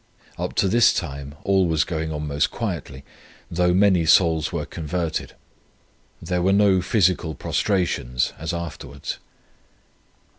Up to this time all was going on most quietly, though many souls were converted, There were no physical prostrations, as afterwards.